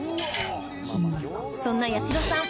そんな八代さん